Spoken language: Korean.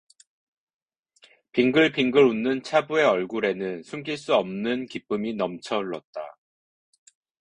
빙글빙글 웃는 차부의 얼굴에는 숨길 수 없는 기쁨이 넘쳐흘렀다.